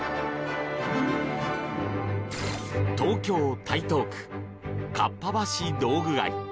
東京・台東区かっぱ橋道具街。